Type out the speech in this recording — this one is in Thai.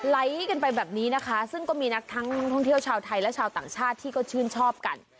ไหลกันไปแบบนี้นะคะซึ่งก็มีนักท่องเที่ยวชาวไทยและชาวต่างชาติที่ก็ชื่นชอบกัน